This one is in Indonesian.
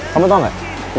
kamu tau gak